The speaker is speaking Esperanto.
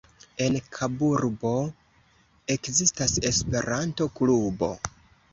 En Kaburbo ekzistas Esperanto-klubo.